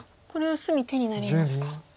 これは隅手になりますか。